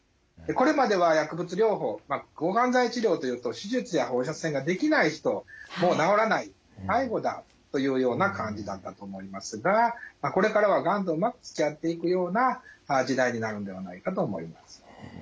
これまでは薬物療法まあ抗がん剤治療というと手術や放射線ができない人もう治らない最後だというような感じだったと思いますがこれからはがんとうまくつきあっていくような時代になるんではないかと思います。